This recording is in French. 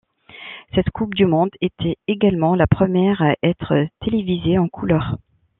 Cette coupe du monde était également la première à être télévisée en couleurs.